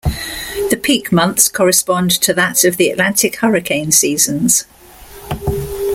The peak months correspond to that of the Atlantic hurricane seasons.